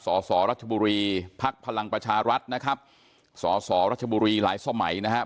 สสรัชบุรีภักดิ์พลังประชารัฐนะครับสสรัชบุรีหลายสมัยนะครับ